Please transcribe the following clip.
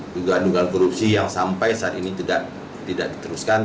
duga duga korupsi yang sampai saat ini tidak diteruskan